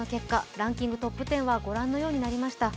ランキングトップ１０はご覧のようになりました。